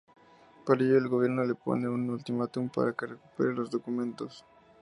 Por ello el gobierno le pone un ultimatum para que recupere los documentos.